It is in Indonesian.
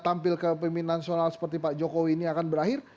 tampil ke pemimpin nasional seperti pak jokowi ini akan berakhir